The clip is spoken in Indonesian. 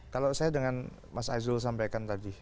kalau saya dengan mas azul sampaikan tadi